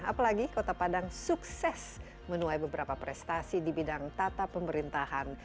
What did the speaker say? apalagi kota padang sukses menuai beberapa prestasi di bidang tata pemerintahan